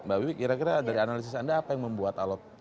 baik bibi kira kira dari analisis anda apa yang membuat alop